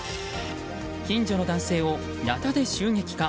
近所の男性を、ナタで襲撃か。